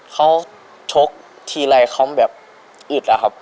เขาชกทีไรเขาแบบอึดอะครับ